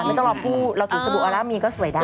ไม่ต้องรอพูดเราถือสบู่ออร่ามีนก็สวยได้